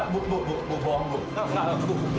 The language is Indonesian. bu bu bu bu buang bu